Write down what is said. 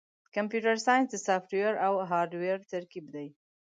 کمپیوټر ساینس د سافټویر او هارډویر ترکیب دی.